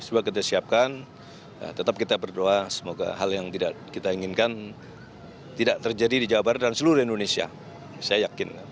bagaimana dengan kota bandung